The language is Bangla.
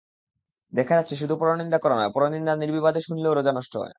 দেখা যাচ্ছে, শুধু পরনিন্দা করা নয়, পরনিন্দা নির্বিবাদে শুনলেও রোজা নষ্ট হয়।